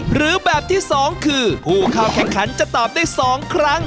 หรือแบบที่๒คือผู้เข้าแข่งขันจะตอบได้๒ครั้ง